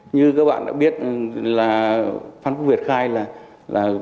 như các bạn đã biết là pháp quốc việt khai là là